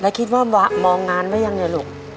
แล้วคิดว่ามองงานไว้ยังไงลูก